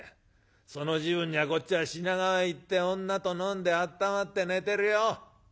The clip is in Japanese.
その時分にはこっちは品川へ行って女と飲んであったまって寝てるよ。